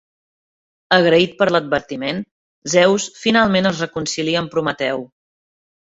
Agraït per l'advertiment, Zeus finalment es reconcilia amb Prometeu.